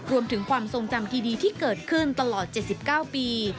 รวมถึงความทรงจำที่ดีที่เกิดขึ้นตลอด๗๙ปี